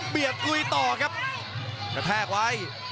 เปรียบอุ้ยต่อครับแกะแพกไว้